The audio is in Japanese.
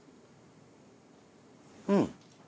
うん。